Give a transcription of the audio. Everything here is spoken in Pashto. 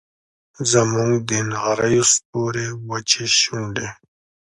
زموږ د نغریو سپورې وچې شونډي